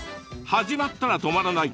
始まったら止まらない。